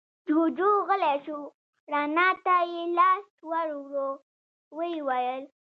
جوجُو غلی شو، رڼا ته يې لاس ور ووړ، ويې ويل: